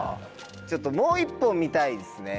ちょっともう一本見たいですね